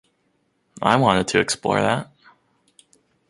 I wanted to explore that.